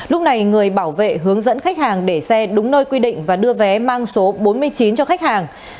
lúc này người bảo vệ hướng dẫn khách hàng để xe đúng nơi quy định và đưa vé mang số bốn mươi chín cho khách hàng